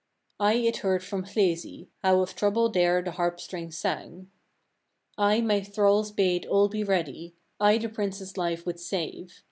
30. I it heard from Hlesey, how of trouble there the harp strings sang. 31. I my thralls bade all be ready: I the prince's life would save.